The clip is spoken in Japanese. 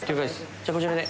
じゃあこちらで。